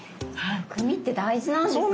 薬味って大事なんですね。